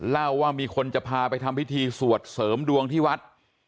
เล่าว่ามีคนจะพาไปทำพิธีสวดเสริมดวงที่วัด